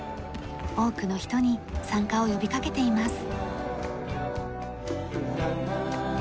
多くの人に参加を呼び掛けています。